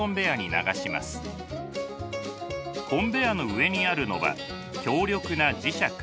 コンベヤーの上にあるのは強力な磁石。